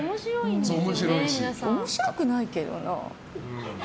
面白くないけどな。